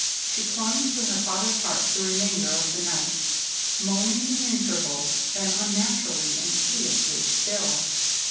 She clung to her father's heart the remainder of the night; moaning at intervals, then unnaturally and piteously still.